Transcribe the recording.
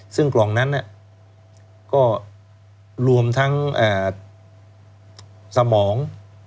ซึ่งกล่องนั้นก็รวมทั้งสมอง